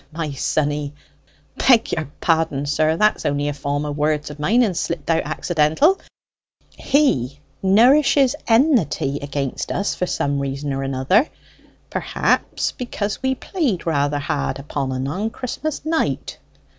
"Clk, my sonny! beg your pardon, sir, that's only a form of words of mine, and slipped out accidental he nourishes enmity against us for some reason or another; perhaps because we played rather hard upon en Christmas night.